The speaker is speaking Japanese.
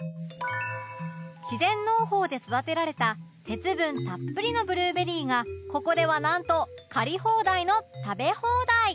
自然農法で育てられた鉄分たっぷりのブルーベリーがここではなんと狩り放題の食べ放題